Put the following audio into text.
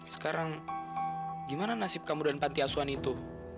sekarang gimana nasib kamu dan panti asuhan itu